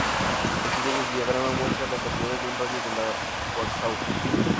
El siguiente diagrama muestra a las localidades en un radio de de Warsaw.